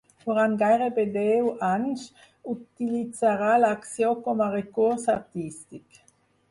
Durant gairebé deu anys utilitzarà l'acció com a recurs artístic.